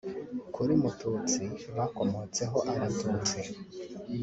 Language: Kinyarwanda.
Kuri Mututsi hakomotseho Abatutsi